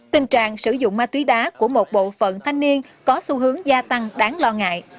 tình trạng sử dụng ma túy đá của một bộ phận thanh niên có xu hướng gia tăng đáng lo ngại